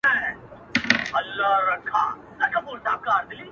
د اوږدې او لاعلاجه ناروغۍ له امله، وفات سوی دی -